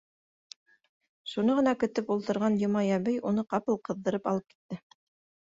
Шуны ғына көтөп ултырған Йомай әбей уны ҡапыл ҡыҙҙырып алып китте: